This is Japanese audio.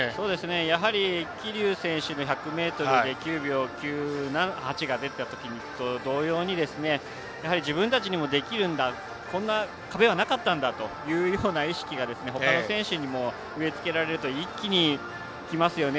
やはり桐生選手が１００ｍで９秒９８が出たときと同様に自分たちにもできるんだこんな壁はなかったんだという意識がほかの選手にも植え付けられると一気にきますよね。